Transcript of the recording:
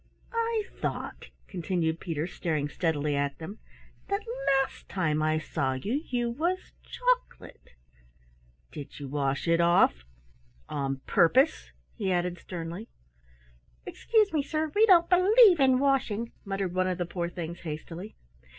"I thought," continued Peter, staring steadily at them, "that last time I saw you you was choc'late. Did you wash it off on purpose?" he added sternly. "Excuse me, sir, we don't believe in washing," muttered one of the poor things hastily.